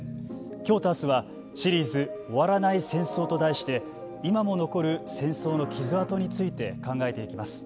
きょうとあすは「シリーズ、終わらない戦争」と題して今も残る戦争の傷あとについて考えていきます。